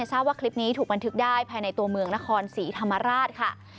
ทราบว่าคลิปนี้ถูกบันทึกได้ภายในตัวเมืองนครศรีธรรมราชค่ะ